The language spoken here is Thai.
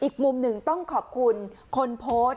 อีกมุมหนึ่งต้องขอบคุณคนโพสต์